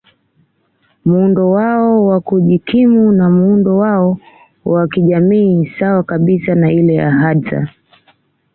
Muundo wao wakujikimu na muundo wao wakijamii sawa kabisa na ile ya Hadza